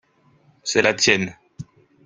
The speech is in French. c'est la tienne.